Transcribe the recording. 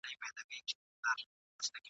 ځیني وي چي یې په سر کي بغاوت وي !.